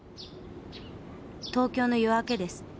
東京の夜明けです。